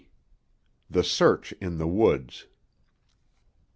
THE SEARCH IN THE WOODS.